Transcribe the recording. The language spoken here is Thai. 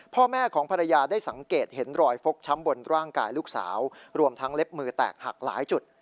พ่อแม่ของภรรยาได้สังเกตเห็นรอยฟกช้ำบนร่างกายลูกสาวรวมทั้งเล็บมือแตกหักหลายจุด